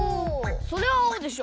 それはあおでしょ。